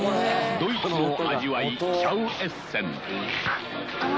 ドイツの味わいシャウエッセン。